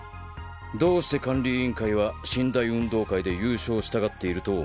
どうして管理委員会は神・大運動会で優勝したがっていると思う？